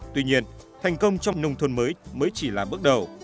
tuy nhiên thành công trong nông thôn mới mới chỉ là bước đầu